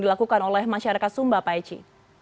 dilakukan oleh masyarakat sumba pak eci